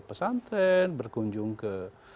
pesantren berkunjung ke